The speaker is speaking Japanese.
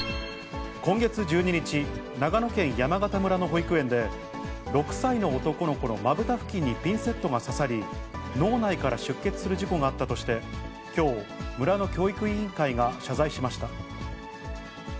今月１２日、長野県山形村の保育園で、６歳の男の子のまぶた付近にピンセットが刺さり、脳内から出血する事故があったとして、きょう、村の教育委員会が謝罪しました。